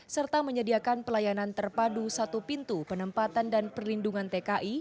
serta menyediakan pelayanan terpadu satu pintu penempatan dan perlindungan tki